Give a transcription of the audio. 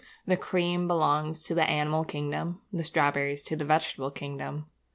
The cream belongs to the animal kingdom; the strawberries to the vegetable kingdom.